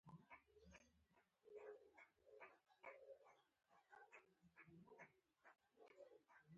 هغه نیمګړتیاوې ماته را یادې کړې.